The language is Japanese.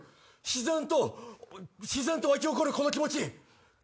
自然と自然と湧き起こるこの気持ち！